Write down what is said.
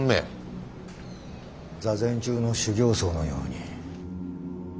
座禅中の修行僧のように。